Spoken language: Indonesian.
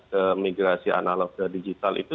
ke migrasi analog ke digital itu